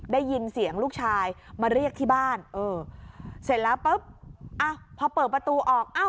ได้ยินเสียงลูกชายมาเรียกที่บ้านเออเสร็จแล้วปุ๊บอ่ะพอเปิดประตูออก